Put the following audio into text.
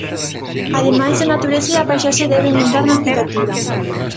Ademais, a natureza e a paisaxe deben entrar na arquitectura.